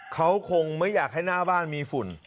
เขาคงไม่อยากให้หน้าบ้านมีฝุ่น